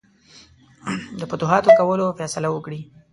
د فتوحاتو کولو فیصله وکړي.